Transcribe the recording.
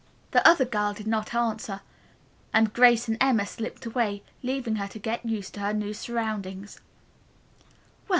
The other girl did not answer, and Grace and Emma slipped away, leaving her to get used to her new surroundings.